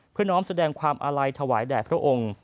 น้องแสดงความอาลัยถวายแด่พระองค์